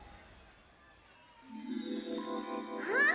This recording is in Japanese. あっ！